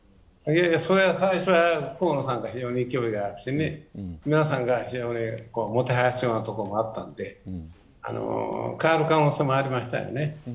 それに関しては河野さんが非常に勢いがあって皆さんが非常に、もてはやすようなところもあったので変わる可能性もありましたよね。